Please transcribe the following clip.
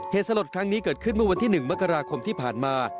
เหตุสลดครั้งนี้เกิดขึ้นเมื่อวันที่๑มกราคมที่ผ่านมา